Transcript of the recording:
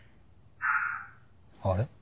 あれ？